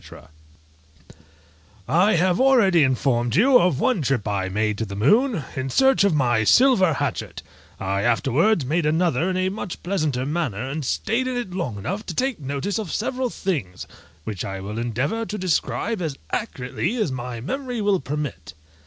_ I have already informed you of one trip I made to the moon, in search of my silver hatchet; I afterwards made another in a much pleasanter manner, and stayed in it long enough to take notice of several things, which I will endeavour to describe as accurately as my memory will permit.